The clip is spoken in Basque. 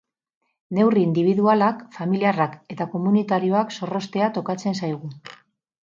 Neurri indibidualak, familiarrak eta komunitarioak zorroztea tokatzen zaigu.